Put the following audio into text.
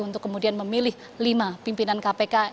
untuk kemudian memilih lima pimpinan kpk